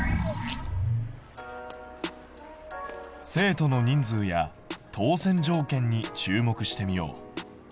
生徒の人数や当選条件に注目してみよう。